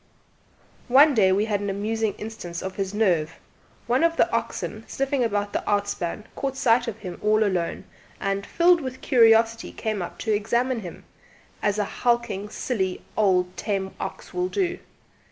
One day we had an amusing instance of his nerve: one of the oxen, sniffing about the outspan, caught sight of him all alone, and filled with curiosity came up to examine him, as a hulking silly old tame ox will do.